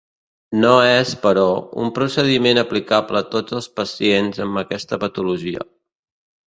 No és, però, un procediment aplicable a tots els pacients amb aquesta patologia.